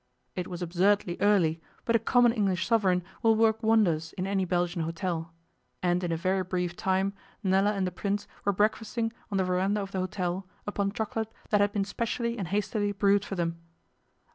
It was absurdly early, but a common English sovereign will work wonders in any Belgian hotel, and in a very brief time Nella and the Prince were breakfasting on the verandah of the hotel upon chocolate that had been specially and hastily brewed for them.